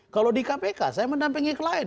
kalau di kpk saya mendampingi klien